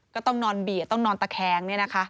ก็ต้องนอนเบียดต้องนอนตะแคง